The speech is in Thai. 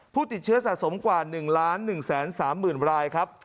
ผู้ติดเชื้อสะสมกว่า๑๑๓๐๐๐รายครับ